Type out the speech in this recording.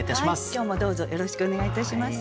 今日もどうぞよろしくお願いいたします。